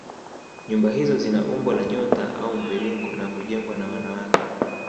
Nyumba hizo zina umbo la nyota au mviringo na hujengwa na wanawake